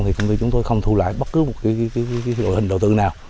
thì công ty chúng tôi không thu lại bất cứ một loại hình đầu tư nào